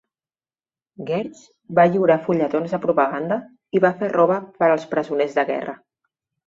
Gertz va lliurar fulletons de propaganda i va fer roba per als presoners de guerra.